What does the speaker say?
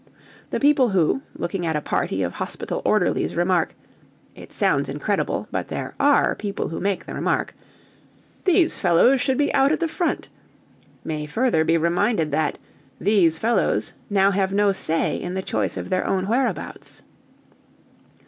The people who, looking at a party of hospital orderlies, remark it sounds incredible, but there are people who make the remark "These fellows should be out at the front," may further be reminded that "these fellows" now have no say in the choice of their own whereabouts.